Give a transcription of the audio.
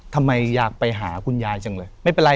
ทำไมอยากไปหาคุณยายจังเลย